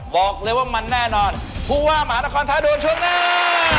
บอกเลยว่ามันแน่นอนผู้ว่าหมานครท้าโดนช่วงหน้า